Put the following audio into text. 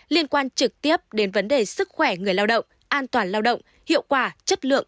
liên quan trực tiếp đến vấn đề sức khỏe người lao động an toàn lao động hiệu quả chất lượng